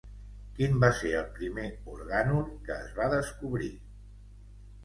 Quin va ser el primer orgànul que es va descobrir?